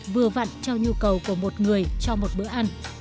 vừa vặn cho nhu cầu của một người cho một bữa ăn